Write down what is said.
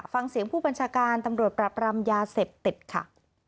ฟังเสียงผู้บัญชาการตำรวจปรับรามยาเสพติดค่ะ